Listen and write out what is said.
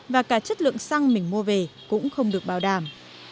và cả chất lượng xăng mình mua về cũng không được bảo đảm